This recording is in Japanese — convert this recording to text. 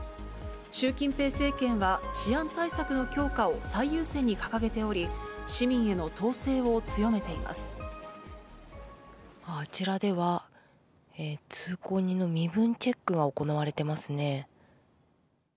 習近平政権は、治安対策の強化を最優先に掲げており、市民への統制を強めていまあちらでは、通行人の身分チェックが行われてますね。